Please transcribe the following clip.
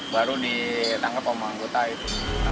baru dianggap omong anggota itu